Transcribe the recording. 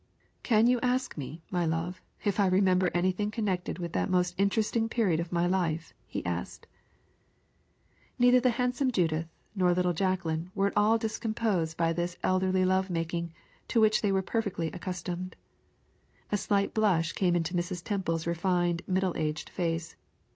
"Can you ask me, my love, if I remember anything connected with that most interesting period of my life?" he asked. Neither the handsome Judith nor little Jacqueline were at all discomposed by this elderly love making, to which they were perfectly accustomed. A slight blush came into Mrs. Temple's refined, middle aged face.